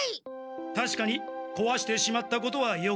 たしかにこわしてしまったことはよくない。